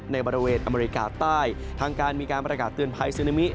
ในบริเวณอเมริกาใต้ทางการมีการประกาศเตือนภัยซึนามิ